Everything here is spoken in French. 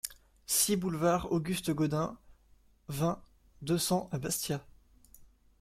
six boulevard Auguste Gaudin, vingt, deux cents à Bastia